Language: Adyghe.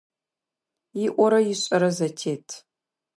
ИIорэ ишIэрэ зэтет.